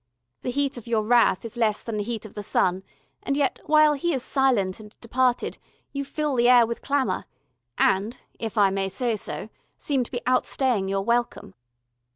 The heat of your wrath is less than the heat of the sun, and yet, while he is silent and departed, you fill the air with clamour, and if I may say so seem to be outstaying your welcome.